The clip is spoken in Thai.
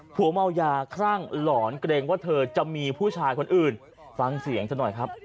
ผัวเมายาคลั่งหลอนเกรงว่าเธอจะมีผู้ชายคนอื่นฟังเสียงเธอหน่อยครับ